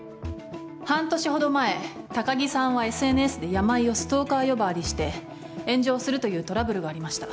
半年ほど前高城さんはＳＮＳで山井をストーカー呼ばわりして炎上するというトラブルがありました。